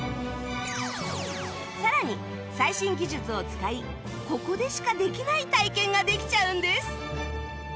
さらに最新技術を使いここでしかできない体験ができちゃうんです